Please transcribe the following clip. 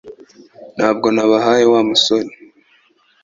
Ntabwo nabahaye Wa musore